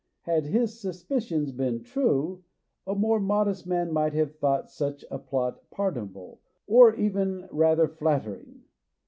Had his suspicions been true, a more modest man might have thought such a plot pardonable, or even rather flattering.